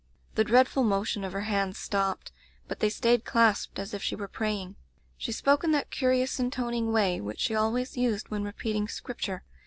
The dreadful motion of her hands stopped, but they stayed clasped as if she were praying. She spoke in diat curious intoning way which she always used when repeating Scripture.